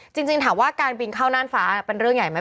จริงถามว่าการบินเข้าน่านฟ้าเป็นเรื่องใหญ่ไหม